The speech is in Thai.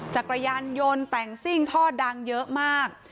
จักรยานยนต์แต่งซิ่งท่อดังเยอะมาก